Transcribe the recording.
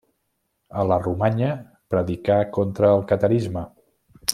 A la Romanya predicà contra el catarisme.